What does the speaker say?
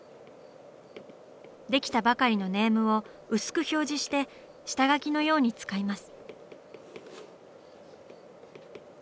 できたばかりのネームを薄く表示して下描きのように使います。